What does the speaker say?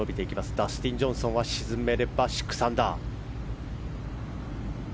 ダスティン・ジョンソンは沈めれば、６アンダー。